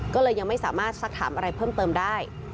ก็เลยยังไม่สามารถสักถามอะไรเพิ่มเติมได้